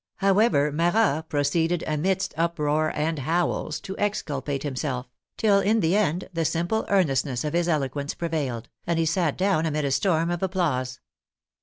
How ever, Marat proceeded amidst uproar and howls to excul pate himself, till in the end the simple earnestness of his eloquence prevailed, and he sat down amid a storm of applause.